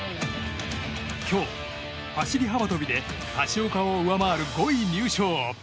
今日、走り幅跳びで橋岡を上回る５位入賞。